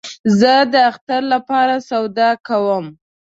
زه د اختر له پاره سودا کوم